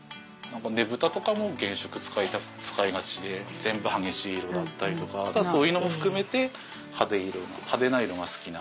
ねぷたとかも原色使いがちで全部激しい色だったりとかそういうのも含めて派手な色が好きな。